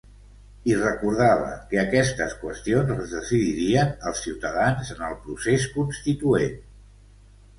I recordava que aquestes qüestions les decidirien els ciutadans en el procés constituent.